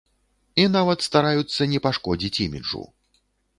І нават стараюцца не пашкодзіць іміджу.